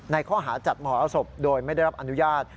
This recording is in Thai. ข้อหาจัดมหรสบโดยไม่ได้รับอนุญาต